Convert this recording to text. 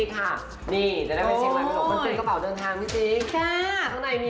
ค่ะเรามาพูดคุยกัน